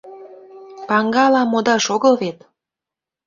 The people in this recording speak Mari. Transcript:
Паҥгала модаш огыл вет!